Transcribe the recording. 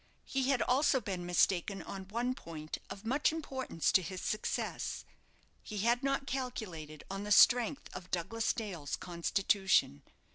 He had also been mistaken on one point of much importance to his success; he had not calculated on the strength of Douglas Dale's constitution.